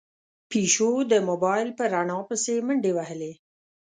پيشو د موبايل په رڼا پسې منډې وهلې.